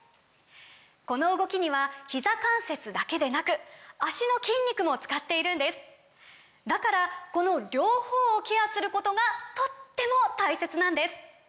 この動きにはひざ関節だけでなく脚の筋肉も使っているんですだからこの両方をケアすることがとっても大切なんです！